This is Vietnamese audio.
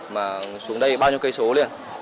mà xuống đây bao nhiêu cây số liền